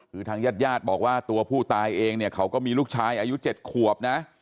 คือทางญาติญาติบอกว่าตัวผู้ตายเองเนี่ยเขาก็มีลูกชายอายุ๗ขวบนะ